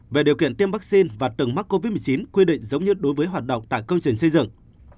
về điều kiện tiêm vaccine và từng mắc covid một mươi chín quy định giống như đối với hoạt động tại công trình xây dựng